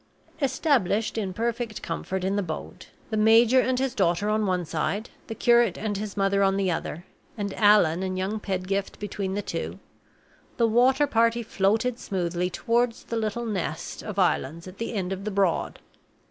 Established in perfect comfort in the boat the major and his daughter on one side, the curate and his mother on the other, and Allan and young Pedgift between the two the water party floated smoothly toward the little nest of islands at the end of the Broad.